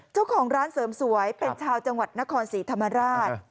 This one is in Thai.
เจ้าของร้านเสริมสวยเป็นชาวจังหวัดนครศรีธรรมราช